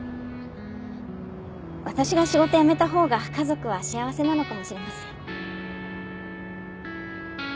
私が仕事辞めた方が家族は幸せなのかもしれません。